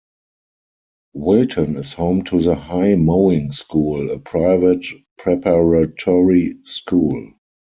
Wilton is home to the High Mowing School, a private preparatory school.